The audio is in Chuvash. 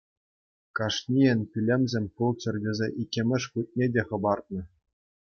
Кашнийӗн пӳлӗмсем пулччӑр тесе иккӗмӗш хутне те хӑпартнӑ.